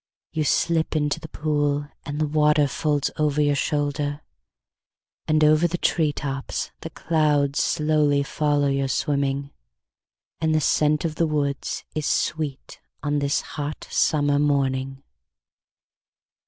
You slip into the pool and the water folds over your shoulder, And over the tree tops the clouds slowly follow your swimming, And the scent of the woods is sweet on this hot summer morning.